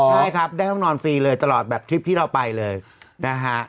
ใช่ครับได้ห้องนอนฟรีเลยตลอดแบบทริปที่เราไปเลยนะฮะ